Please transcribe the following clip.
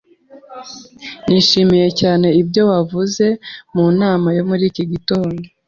Nishimiye cyane ibyo wavuze mu nama yo muri iki gitondo.